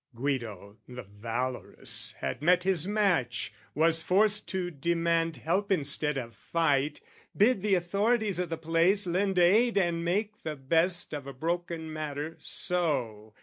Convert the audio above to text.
Guido, the valorous, had met his match, Was forced to demand help instead of fight, Bid the authorities o' the place lend aid And make the best of a broken matter so.